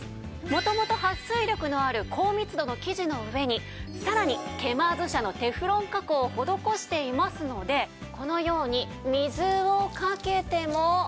元々はっ水力のある高密度の生地の上にさらにケマーズ社のテフロン加工を施していますのでこのように水をかけても。